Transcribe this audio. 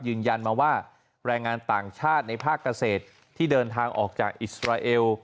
ยืนยันมาว่าแรงงานต่างชาติในภาคเกษตรที่เดินทางออกจากอิสราเอล